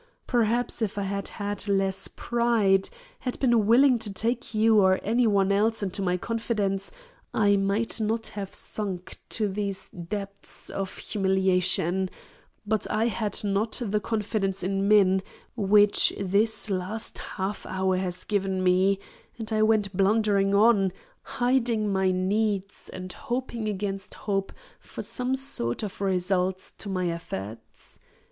Perhaps if I had had less pride, had been willing to take you or any one else into my confidence, I might not have sunk to these depths of humiliation; but I had not the confidence in men which this last half hour has given me, and I went blundering on, hiding my needs and hoping against hope for some sort of result to my efforts.